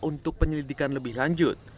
untuk penyelidikan lebih lanjut